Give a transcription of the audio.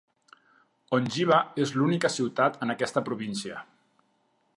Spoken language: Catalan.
Ondjiva és l'única ciutat en aquesta província.